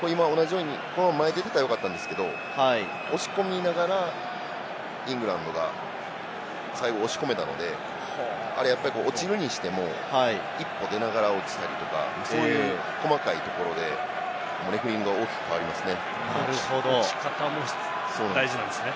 今、同じように前に出てたらよかったんですけれども、押し込みながら、イングランドが最後押し込めたので、あれ、やっぱり落ちるにしても一歩出ながら落ちたりとか、細かいところでレフェリングが大きく変わりますね。